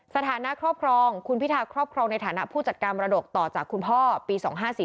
สถานะครอบครองคุณพิทาครอบครองในฐานะผู้จัดการมรดกต่อจากคุณพ่อปี๒๕๔๔